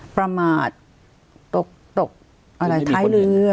ประมาทตกอะไรท้ายเรือ